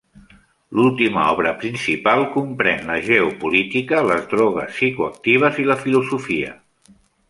L'última obra principal comprèn la geopolítica, les drogues psicoactives i la filosofia.